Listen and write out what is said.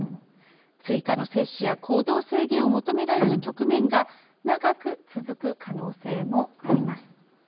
追加の接種や行動制限を求められる局面が長く続く可能性もあります。